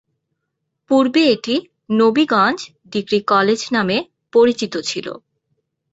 পূর্বে এটি "নবীগঞ্জ ডিগ্রি কলেজ" নামে পরিচিত ছিল।